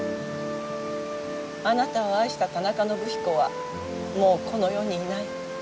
あなたを愛した田中伸彦はもうこの世にいない。